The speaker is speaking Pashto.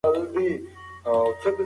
پاڼه له ډېره وخته په لاره روانه وه.